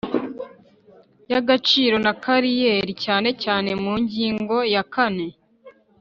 y agaciro na kariyeri cyane cyane mu ngingo ya kane